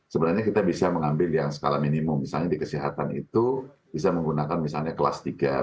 sebenarnya kita bisa mengambil yang skala minimum misalnya di kesehatan itu bisa menggunakan misalnya kelas tiga